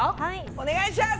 お願いします！